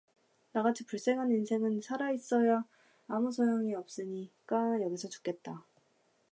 나같이 불행한 인생은 살아 있어야 아무 소용이 없으니까 여기서 죽겠다.